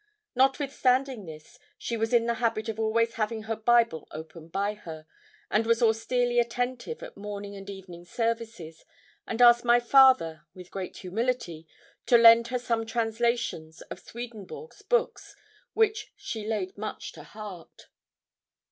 Notwithstanding this, she was in the habit of always having her Bible open by her, and was austerely attentive at morning and evening services, and asked my father, with great humility, to lend her some translations of Swedenborg's books, which she laid much to heart.